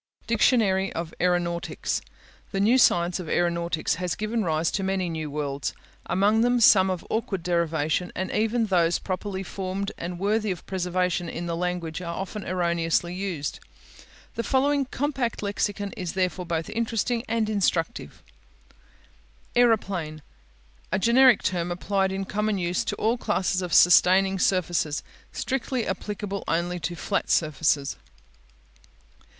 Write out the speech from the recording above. DICTIONARY OF AERONAUTICS The new science of aeronautics has given rise to many new words, among them some of awkward derivation, and even those properly formed and worthy of preservation in the language are often erroneously used. The following compact lexicon is therefore both interesting and instructive: Aeroplane A generic term applied in common use to all classes of sustaining surfaces; strictly applicable only to flat surfaces.